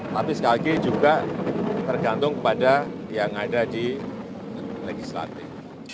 tapi sekali lagi juga tergantung kepada yang ada di legislatif